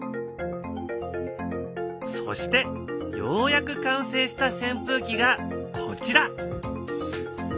そしてようやく完成したせん風機がこちら。